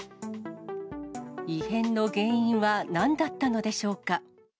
異変の原因は、なんだったのでしょうか。